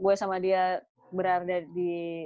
gue sama dia berada di